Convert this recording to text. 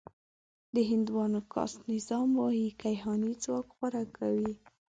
د هندوانو کاسټ نظام وايي کیهاني ځواک غوره کوي.